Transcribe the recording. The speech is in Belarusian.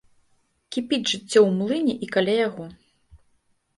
Кіпіць жыццё ў млыне і каля яго.